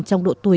trong đội tuyển